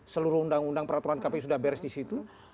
seluruh undang undang peraturan kpu sudah beres di situ